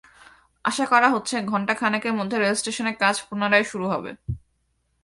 আশা করা হচ্ছে, ঘণ্টা খানেকের মধ্য রেলস্টেশনের কাজ পুনরায় শুরু হবে।